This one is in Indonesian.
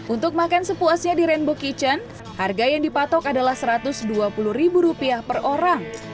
untuk makan sepuasnya di rainbow kitchen harga yang dipatok adalah satu ratus dua puluh ribu rupiah per orang